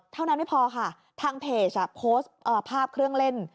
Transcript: เท่านั้นไม่พอค่ะทางเพจโพสต์ภาพเครื่องเล่น